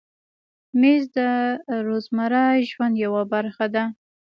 مېز د روزمره ژوند یوه برخه ده.